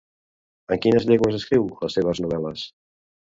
En quines llengües escriu les seves novel·les?